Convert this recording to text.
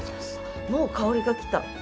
もう香りが来た。